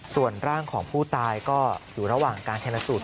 ส่วนร่างของผู้ตายก็อยู่ระหว่างการชนสูตร